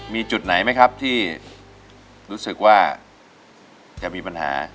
มีจุดไหนไหมครับที่รู้สึกว่าจะมีปัญหา